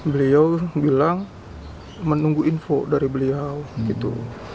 beliau bilang menunggu info dari beliau gitu